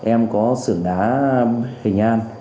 em có xưởng đá hình an